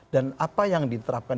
dan apa yang diterapkan